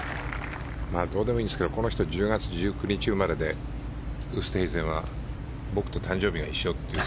どうでもいいんですけど１０月１９日生まれでウーストヘイゼンは僕と誕生日が一緒っていう。